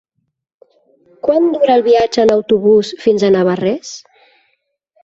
Quant dura el viatge en autobús fins a Navarrés?